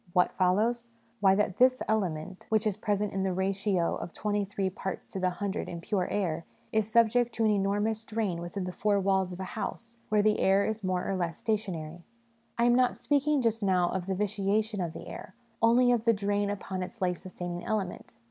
What follows ? Why, that this element, which is present in the ratio of twenty three parts to the hundred in pure air, is subject to an enormous drain SOME PRELIMINARY CONSIDERATIONS 31 within the four walls of a house, where the air is more or less stationary. I am not speaking just now of the vitiation of the air only of the drain upon its life sustaining element.